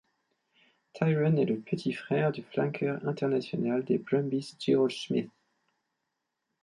Tyrone est le petit frère du flanker international des Brumbies George Smith.